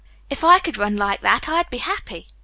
"If I could run like that I'd be happy.